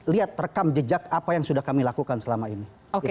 lihat rekam jejak apa yang sudah kami lakukan selama ini